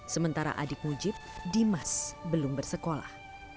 sementara adik mujib dimas belum bersekolah